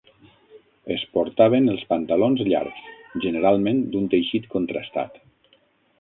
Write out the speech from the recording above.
Es portaven els pantalons llargs, generalment d'un teixit contrastat.